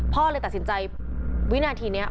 เลยตัดสินใจวินาทีนี้